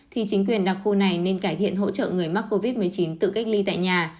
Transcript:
thì chính quyền đặc khu này nên cải thiện hỗ trợ người mắc covid một mươi chín tự cách ly tại nhà